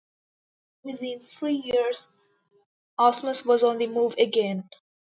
Within three years, Ausmus was on the move again.